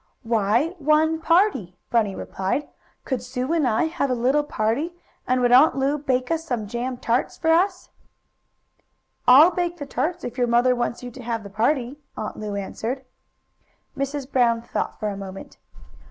"Why, one party," Bunny replied. "Could Sue and I have a little party, and would Aunt Lu bake some jam tarts for us?" "I'll bake the tarts, if your mother wants you to have the party," Aunt Lu answered. Mrs. Brown thought for a moment.